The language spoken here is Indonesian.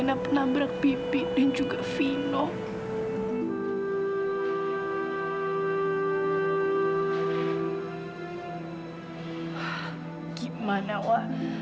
sampai jumpa di video selanjutnya